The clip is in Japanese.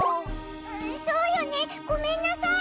うぅそうよねごめんなさい。